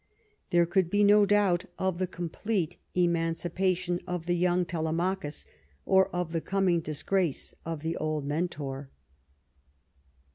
There could be no doubt of the complete emancipa tion of the young Telemachus or of the coming disgrace of the old Mentor.